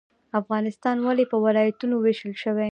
افغانستان ولې په ولایتونو ویشل شوی؟